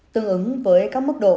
tương ứng với các mức độ